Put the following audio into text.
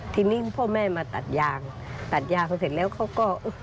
ทีนี้พ่อแม่มาตัดยางตัดยางเขาเสร็จแล้วเขาก็